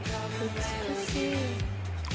美しい。